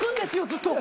ずっと。